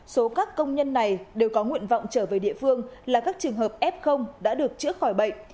số các công nhân này đều có nguyện vọng trở về địa phương là các trường hợp f đã được chữa khỏi bệnh